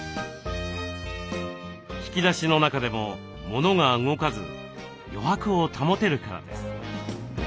引き出しの中でもモノが動かず余白を保てるからです。